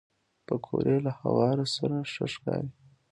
پکورې له هوار سره ښه ښکاري